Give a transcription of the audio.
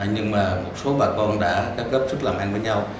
nhưng mà một số bà con đã cấp sức làm hành với nhau